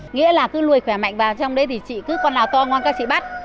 nghĩa là cứ nuôi khỏe mạnh vào trong đấy thì chị cứ con nào to ngon các chị bắt